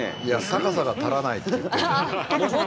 高さが足らないと。